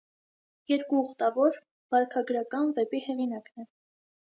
«Երկու ուխտավոր» վարքագրական վեպի հեղինակն է։